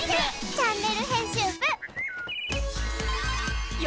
チャンネル編集部」へ！